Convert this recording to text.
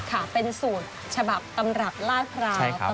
ค่ะเป็นสูตรฉบับตำรับลาดพร้าวใช่ครับผม